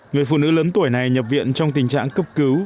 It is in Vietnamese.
người phụ nữ lớn tuổi này nhập viện trong tình trạng cấp cứu